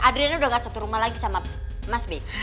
adriana udah gak satu rumah lagi sama mas b